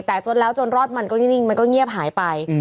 แต่จนแล้วจนรอดมันก็นิ่งมันก็เงียบหายไป